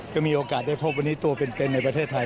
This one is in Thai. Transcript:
ก็มีโอกาสได้พบวันนี้ตัวเป็นในประเทศไทย